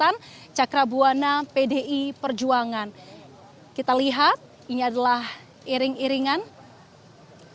ini adalah benda yang tempat usangan ini adalah kebuasan perlindungan untuk penuman